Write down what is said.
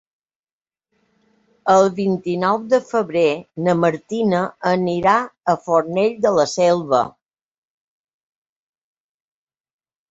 El vint-i-nou de febrer na Martina anirà a Fornells de la Selva.